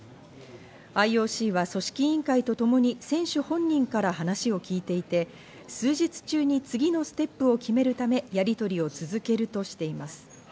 ＩＯＣは組織委員会とともに選手本人から話を聞いていて、数日中に次のステップを決めるため、やりとりを続けるとしています。